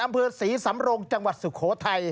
อำเภอศรีสำรงจังหวัดสุโขทัย